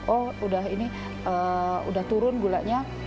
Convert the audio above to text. oh udah ini udah turun gulanya